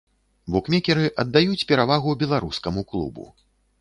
Букмекеры аддаюць перавагу беларускаму клубу.